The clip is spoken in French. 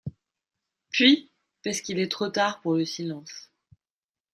«Puis, parce qu’il est trop tard pour le silence.